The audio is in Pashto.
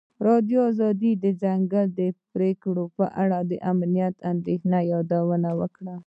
ازادي راډیو د د ځنګلونو پرېکول په اړه د امنیتي اندېښنو یادونه کړې.